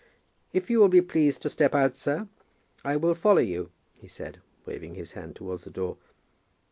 "If you will be pleased to step out, sir, I will follow you," he said, waving his hand towards the door.